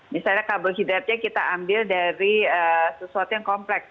misalnya kabel hidratnya kita ambil dari sesuatu yang kompleks